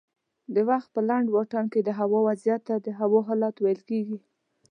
د وخت په لنډ واټن کې دهوا وضعیت ته د هوا حالت ویل کېږي